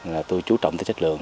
là tôi chú trọng tới chất lượng